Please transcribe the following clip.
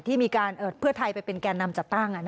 ที่มีการเพื่อไทยไปเป็นแก่นำจัดตั้ง